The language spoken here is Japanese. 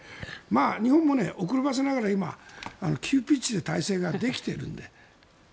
日本も遅ればせながら急ピッチで体制ができているので。